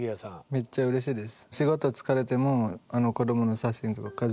めっちゃうれしいです。